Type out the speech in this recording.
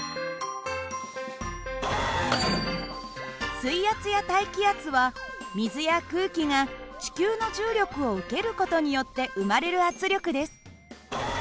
水圧や大気圧は水や空気が地球の重力を受ける事によって生まれる圧力です。